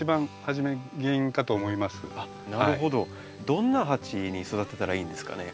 どんな鉢に育てたらいいんですかね？